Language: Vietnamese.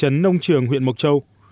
nông trường huyện mộc châu